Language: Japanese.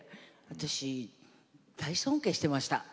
私、大尊敬してました。